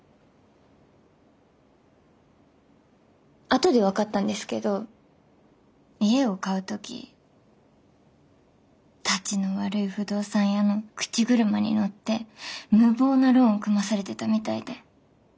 後で分かったんですけど家を買う時タチの悪い不動産屋の口車に乗って無謀なローン組まされてたみたいで。